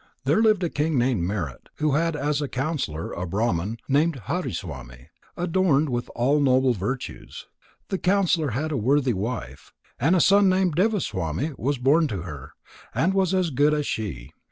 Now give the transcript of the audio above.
There lived a king named Merit, who had as counsellor a Brahman named Hariswami, adorned with all noble virtues. The counsellor had a worthy wife, and a son named Devaswami was born to her, and was as good as she.